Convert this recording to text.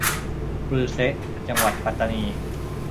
กรือเซะ - จังหวัดปัตตานี